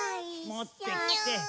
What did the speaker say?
もってきて。